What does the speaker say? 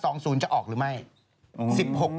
เต๋อง้อยขาวขนาดนั้นล่ะเธอ